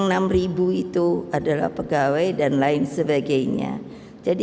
negara belum begitu besar sepenuhnya jadi